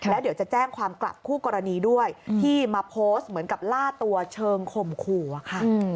แล้วเดี๋ยวจะแจ้งความกลับคู่กรณีด้วยที่มาโพสต์เหมือนกับล่าตัวเชิงข่มขู่อะค่ะ